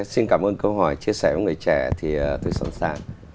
xin cảm ơn câu hỏi chia sẻ với người trẻ thì tôi sẵn sàng